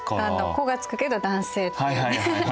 「子」が付くけど男性っていうね。